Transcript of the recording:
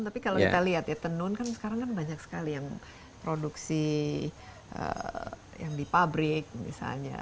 tapi kalau kita lihat ya tenun kan sekarang kan banyak sekali yang produksi yang di pabrik misalnya